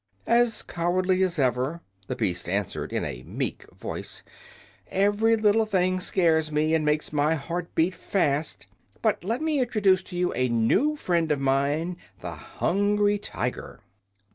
"As cowardly as ever," the beast answered in a meek voice. "Every little thing scares me and makes my heart beat fast. But let me introduce to you a new friend of mine, the Hungry Tiger."